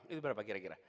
itu berapa kira kira